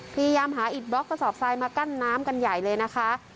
พยายามหาอิดบล็อกกระสอบทรายมากั้นน้ำกันใหญ่เลยนะคะ